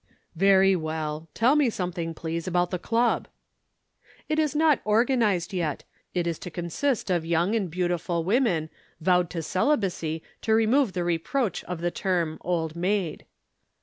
"Very well. Tell me something, please, about the Club." "It is not organized yet. It is to consist of young and beautiful women, vowed to celibacy to remove the reproach of the term 'Old Maid.'"